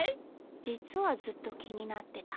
じつはずっときになってた。